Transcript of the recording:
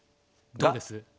どうです？